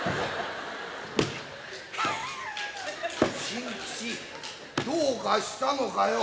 新吉どうかしたのかよ。